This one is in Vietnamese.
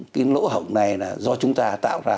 cái lỗ hổng này là do chúng ta tạo ra